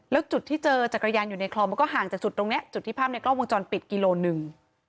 แล้วจุดที่เจอจักรยานอยู่ในคลองมันก็ห่างจากจุดตรงนี้จุดที่ภาพในกล้องวงจรปิดกิโลหนึ่ง